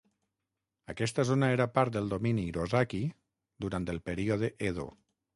Aquesta zona era part del domini Hirosaki durant el període Edo.